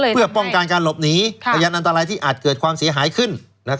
เพื่อป้องกันการหลบหนีพยานอันตรายที่อาจเกิดความเสียหายขึ้น